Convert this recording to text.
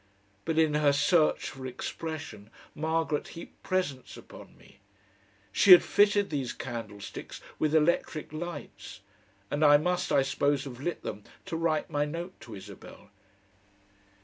But in her search for expression, Margaret heaped presents upon me. She had fitted these candlesticks with electric lights, and I must, I suppose, have lit them to write my note to Isabel.